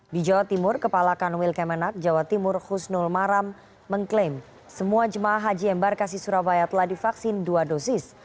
di jawa timur kepala kanwil kemenak jawa timur husnul maram mengklaim semua jemaah haji embarkasi surabaya telah divaksin dua dosis